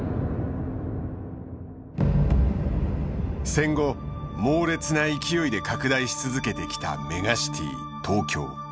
戦後猛烈な勢いで拡大し続けてきたメガシティ東京。